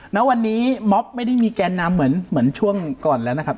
ณวันนี้ม็อบไม่ได้มีแกนนำเหมือนช่วงก่อนแล้วนะครับ